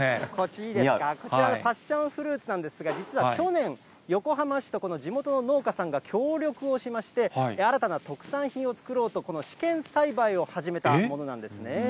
いいですか、こちらのパッションフルーツなんですが、実は去年、横浜市とこの地元の農家さんが協力をしまして、新たな特産品を作ろうとこの試験栽培を始めたものなんですね。